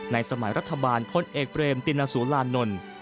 สมัยรัฐบาลพลเอกเบรมตินสุรานนท์